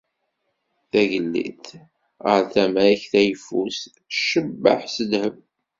Tagellidt, ɣer tama-k tayeffust, tcebbeḥ s ddheb.